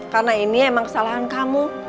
karena ini emang kesalahan kamu